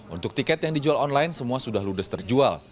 untuk tiket yang dijual online semua sudah ludes terjual